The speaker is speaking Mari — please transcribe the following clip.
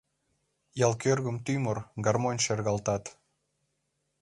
Ял кӧргым тӱмыр, гармонь шергылтат.